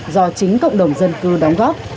do chính cộng đồng dân cư đóng góp